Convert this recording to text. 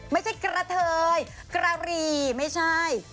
ไม่ใช่กะเทยกะหรี่ไม่ใช่